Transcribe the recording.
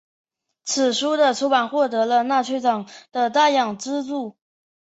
此书的出版获得了纳粹党的大量资助。